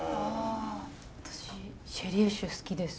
私シェリー酒好きです。